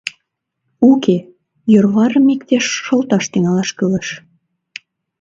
Уке, йӧрварым иктеш шолташ тӱҥалаш кӱлеш.